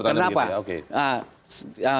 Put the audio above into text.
menurut anda begitu ya oke